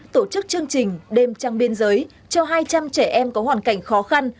tổ chức chương trình đêm trăng biên giới cho hai trăm linh trẻ em có hoàn cảnh khó khăn